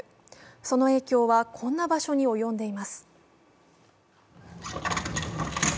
その影響はこんな場所に及んでいます。